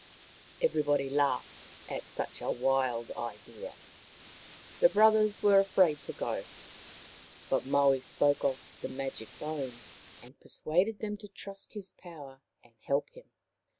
Everybody laughed at such a wild idea. The 89 90 Maoriland Fairy Tales brothers were afraid to go ; but Maui spoke of the magic bone and persuaded them to trust his powers and help him.